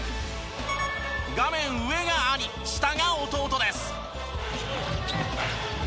画面上が兄下が弟です。